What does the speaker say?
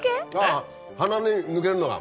鼻に抜けるのが。